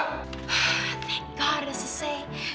thank god udah selesai